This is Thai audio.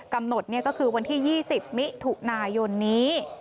กำหนดก็คือวันที่๒๐มิถุนายนนี้